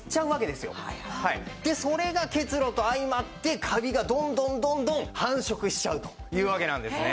でそれが結露と相まってカビがどんどんどんどん繁殖しちゃうというわけなんですね。